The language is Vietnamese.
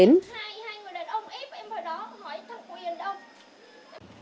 hai người đàn ông ép em vào đó hỏi thông quyền đâu